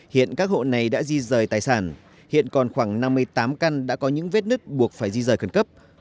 hiện các hộ này đã di rời tài sản hiện còn khoảng năm mươi tám căn đã có những vết nứt buộc phải di rời khẩn cấp